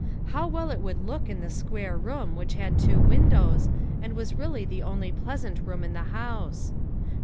How well it would look in the square room which had two windows, and was really the only pleasant room in the house.